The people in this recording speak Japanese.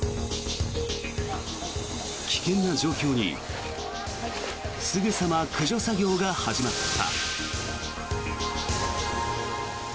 危険な状況にすぐさま駆除作業が始まった。